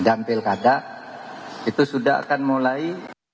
pilkada itu sudah akan mulai